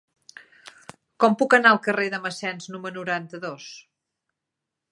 Com puc anar al carrer de Massens número noranta-dos?